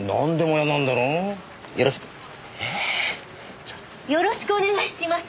よろしくお願いします。